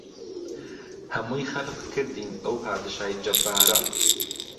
ههمووی خهلق کردين ئەو پادشای جهبباره